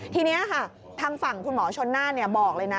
ทีนี้ค่ะทางฝั่งคุณหมอชนน่านบอกเลยนะ